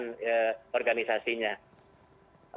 untuk ketergiatan yang dilakukan di dalam lingkungan